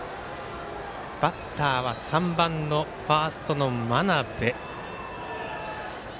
バッターは３番のファーストの真鍋。